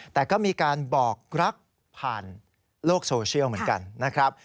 แต่ก็มีการบอกรักผ่านโลกโซเชียลเหมือนกันนะครับ